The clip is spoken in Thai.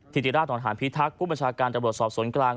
ธิติราชนองหานพิทักษ์ผู้บัญชาการตำรวจสอบสวนกลาง